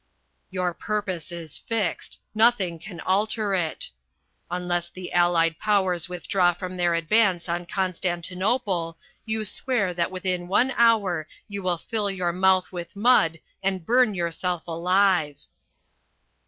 "Your purpose is fixed. Nothing can alter it. Unless the Allied Powers withdraw from their advance on Constantinople you swear that within one hour you will fill your mouth with mud and burn yourself alive."